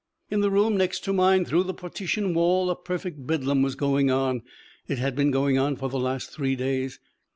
In the room next to mine, through the partition wall, a perfect Bedlam was going on. It had been going on for the last three days.